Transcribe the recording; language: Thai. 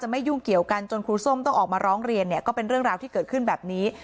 ไม่ยุ่งเกี่ยวกันจนครูส้มต้องออกมาร้องเรียนเนี่ยก็เป็นเรื่องราวที่เกิดขึ้นแบบนี้